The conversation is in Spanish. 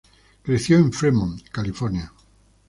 Creció en Fremont, California.